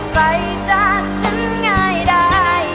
ไกลจากฉันง่ายได้